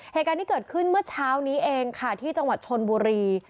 เหตุการณ์ที่เกิดขึ้นเมื่อเช้านี้เองค่ะที่จังหวัดชนบุรี